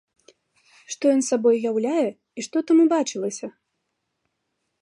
Што ён сабой уяўляе і што там убачылася?